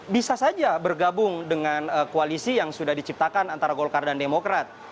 bisa saja bergabung dengan koalisi yang sudah diciptakan antara golkar dan demokrat